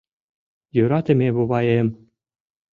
— Йӧратыме воваем...